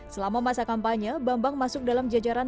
selama masa kampanye bambang masuk dalam jajaran